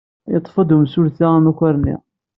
Yeḍḍef-d umsaltu amakar-nni.